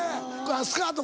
スカート